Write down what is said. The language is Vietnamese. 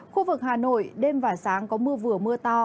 khu vực hà nội đêm và sáng có mưa vừa mưa to